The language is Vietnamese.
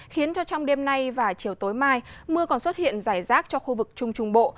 khiến cho trong đêm nay và chiều tối mai mưa còn xuất hiện rải rác cho khu vực trung trung bộ